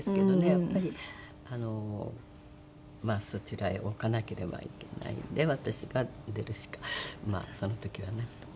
やっぱりそちらへ置かなければいけないんで私が出るしかまあその時はなくて。